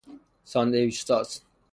ساندویچ ساز